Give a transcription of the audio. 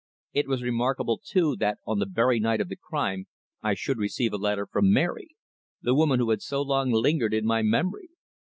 It was remarkable, too, that on the very night of the crime I should receive a letter from Mary, the woman who had so long lingered in my memory.